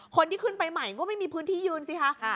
คนที่ขึ้นไปใหม่ก็ไม่มีพื้นที่ยืนสิคะ